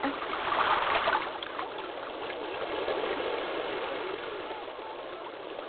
katika mji mkuu Bangui alisema